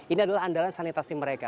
ini adalah andalan sanitasi mereka